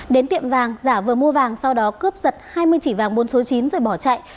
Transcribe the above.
đến tiệm vàng giả vờ mua vàng sau đó cướp giật hai mươi chỉ vàng bốn số chín rồi bỏ chạy